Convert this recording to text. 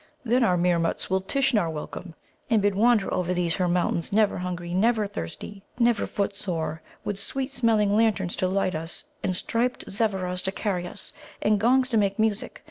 Then our Meermuts will Tishnar welcome, and bid wander over these her mountains, never hungry, never thirsty, never footsore, with sweet smelling lanterns to light us, and striped Zevveras to carry us, and gongs to make music.